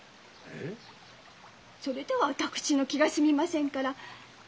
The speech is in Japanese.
それでは私の気が済みませんから。